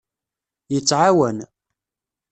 Yettɛawan.